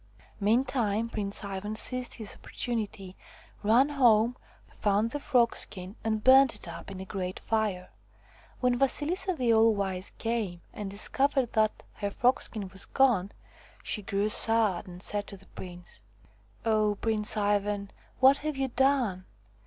Meantime Prince Ivan seized his opportunity, ran home, found the frogskin, and burnt it up in a great fire. When Vasilisa the All Wise came and discovered that her frogskin was gone, she grew sad and said to the prince : "Oh, Prince Ivan, what have you done?